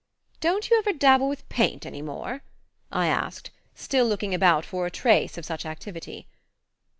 "Don't you ever dabble with paint any more?" I asked, still looking about for a trace of such activity.